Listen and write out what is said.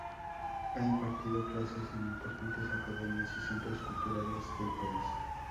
Ha impartido clases en importantes academias y centros culturales del país.